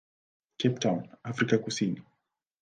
Cape Town, Afrika Kusini.